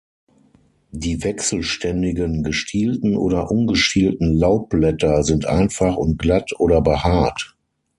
Die wechselständigen, gestielten oder ungestielten Laubblätter sind einfach und glatt oder behaart.